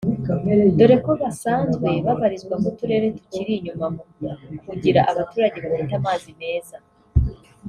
dore ko basanzwe babarizwa mu turere tukiri inyuma mu kugira abaturage bafite amazi meza